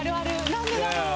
何でだろう。